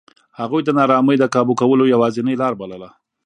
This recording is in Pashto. هغوی د نارامۍ د کابو کولو یوازینۍ لار بلله.